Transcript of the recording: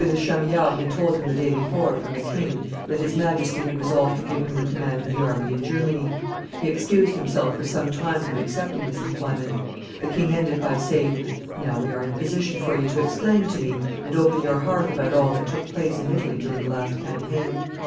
de Chamillard had told him the day before, from the king, that his Majesty had resolved to give him the command of the army in Germany; he excused himself for some time from accepting this employment; the king ended by saying, 'Now we are in a position for you to explain to me, and open your heart about all that took place in Italy during the last campaign.